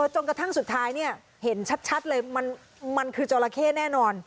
จนกระทั่งสุดท้ายเห็นชัดเลยมันคือจราเข้แน่นอน